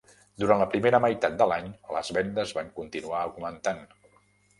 Durant la primera meitat de l'any les vendes va continuant augmentant.